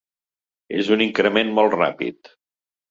És un increment molt ràpid.